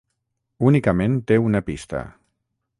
Únicament té una pista.